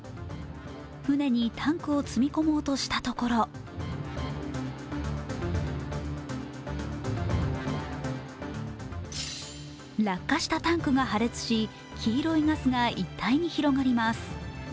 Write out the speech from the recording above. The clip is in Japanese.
船にタンクを積み込もうとしたところ落下したタンクが破裂し黄色いガスが一帯に広がります。